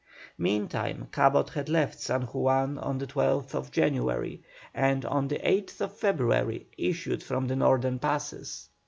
Meantime Cabot had left San Juan on the 12th January, and on the 8th February issued from the northern passes.